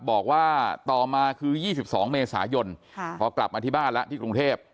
บอกว่าต่อมาคือ๒๒เมษายนพอกลับมาที่บ้านแล้วที่กรุงเทพ